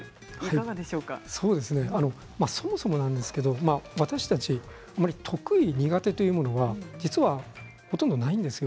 そもそもなんですけれど私たちは得意、苦手というものはほとんどないんですよ。